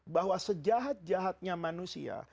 bahwa sejahat jahatnya manusia